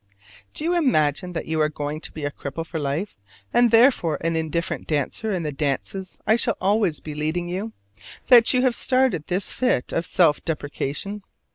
Do you imagine that you are going to be a cripple for life, and therefore an indifferent dancer in the dances I shall always be leading you, that you have started this fit of self depreciation?